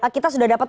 kita sudah dapat